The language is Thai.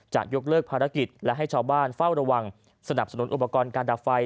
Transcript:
จะยกเลิกภารกิจและให้ชาวบ้านเฝ้าระวังสนับสนุนอุปกรณ์การดับไฟ